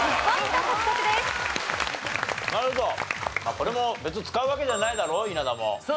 これも別に使うわけじゃないだろう？